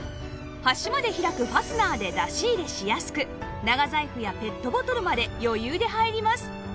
端まで開くファスナーで出し入れしやすく長財布やペットボトルまで余裕で入ります